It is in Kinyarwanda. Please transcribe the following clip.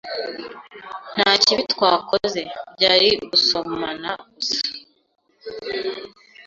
Nta kibi twakoze. Byari ugusomana gusa.